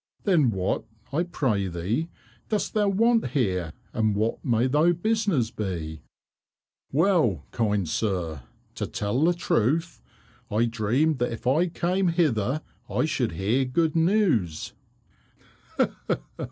"Then what, I pray thee, dost thou want here, and what may thy business be?" "Well, kind sir, to tell the truth, I dreamed that if I came hither, I should hear good news."